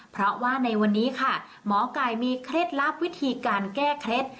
เพราะว่าในวันนี้ค่ะหมอไก่มีเคล็ดลับวิธีการแก้เคล็ด